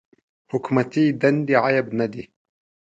حکومتي دندې عیب نه دی.